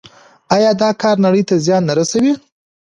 آیا دا کار نړۍ ته زیان نه رسوي؟